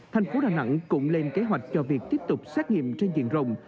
thành phố đà nẵng cũng lên kế hoạch cho việc tiếp tục xét nghiệm trên diện rộng